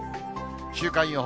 週間予報。